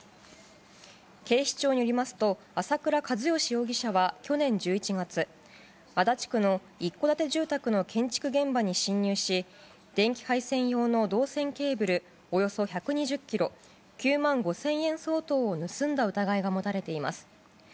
警視庁によりますと朝倉一嘉容疑者は去年１１月、足立区の一戸建て住宅の建築現場に侵入し電気配線用の銅線ケーブルおよそ１２０ｋｇ９万５０００円相当を盗んだ疑いが持たれています。